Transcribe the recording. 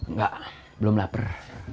nggak belum lapar